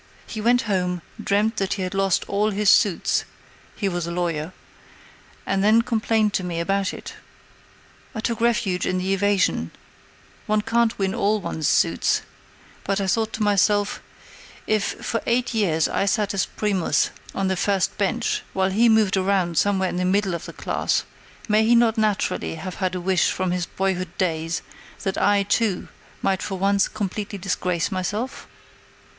He went home, dreamt that he had lost all his suits he was a lawyer and then complained to me about it. I took refuge in the evasion: "One can't win all one's suits," but I thought to myself: "If for eight years I sat as Primus on the first bench, while he moved around somewhere in the middle of the class, may he not naturally have had a wish from his boyhood days that I, too, might for once completely disgrace myself?"